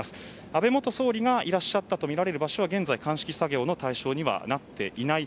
安倍元総理がいらっしゃったとみられる場所は鑑識作業の対象にはなっていない